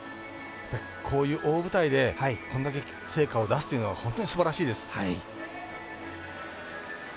こういう大舞台でこれだけ成果を出すというのは本当にすばらしいです。